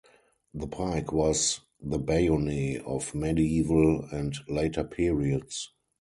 The pike was the bayonet of medieval and later periods.